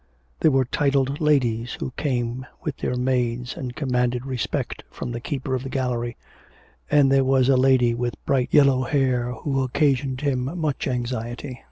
There were titled ladies who came with their maids and commanded respect from the keeper of the gallery, and there was a lady with bright yellow hair who occasioned him much anxiety.